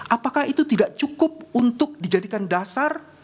apakah itu tidak cukup untuk dijadikan dasar